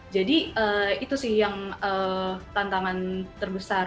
jadi itu sih yang tantangan terbesar